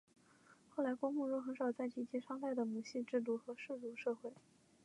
后来郭沫若很少再提及商代的母系制度和氏族社会。